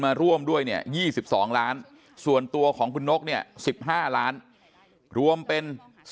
มาร่วมด้วยเนี่ย๒๒ล้านส่วนตัวของคุณนกเนี่ย๑๕ล้านรวมเป็น